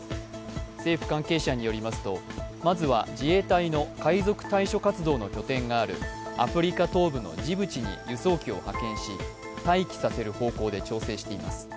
政府関係者によりますとまずは自衛隊の海賊対処活動の拠点があるアフリカ東部のジブチに輸送機を派遣し待機させる方向で調整しています。